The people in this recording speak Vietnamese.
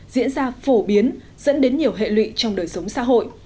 diễn ra phổ biến dẫn đến nhiều hệ lụy trong đời sống xã hội